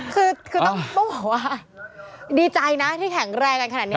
คือต้องบอกว่าดีใจนะที่แข็งแรงกันขนาดนี้